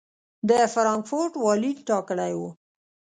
د فرانکفورټ والي ټاکلی و.